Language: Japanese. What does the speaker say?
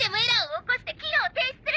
「起こして機能を停止する！」